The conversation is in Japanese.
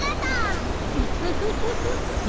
ウフフフフフッ。